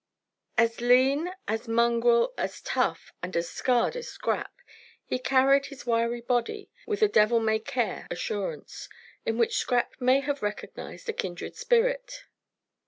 As lean, as mongrel, as tough, and as scarred as Scrap, he carried his wiry body with a devil may care assurance, in which Scrap may have recognized a kindred spirit.